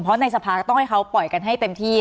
เพราะในสภาพันธุ์ก็ต้องให้เค้าปล่อยกันให้